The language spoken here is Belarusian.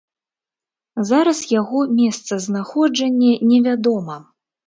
Зараз яго месцазнаходжанне невядома.